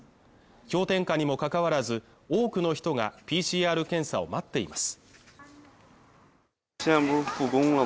氷点下にもかかわらず多くの人がＰＣＲ検査を待っています